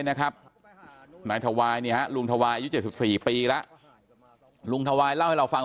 นะครับนายทวายเนี่ยลุงทวายอยู่๗๔ปีละลุงทวายเล่าให้เราฟัง